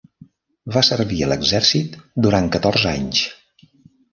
Va servir a l'exèrcit durant catorze anys.